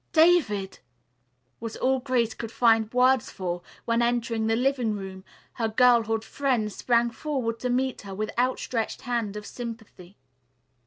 "David!" was all Grace could find words for, when, entering the living room, her girlhood friend sprang forward to meet her with outstretched hand of sympathy.